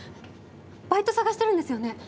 バイト探してるんですよね？